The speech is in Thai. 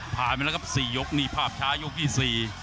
ผ่านไปอีก๔ยกเข้าไปร่วมบัรสภาพช้ายกที่สี่